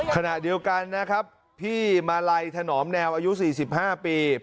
ขณะเดียวกันนะครับพี่มาลัยถนอมแนวอายุ๔๕ปีเพื่อนบ้านอีกคน